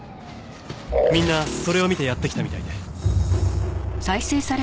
みんなそれを見てやって来たみたいで。